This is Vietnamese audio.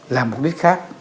làm mục đích khác